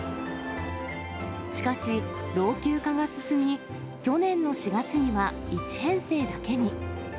しかし、老朽化が進み、去年の４月には１編成だけに。